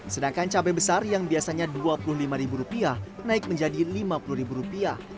sedangkan cabai besar yang biasanya rp dua puluh lima naik menjadi rp lima puluh